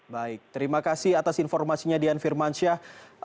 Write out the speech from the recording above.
baik terima kasih atas informasinya dian firmansyah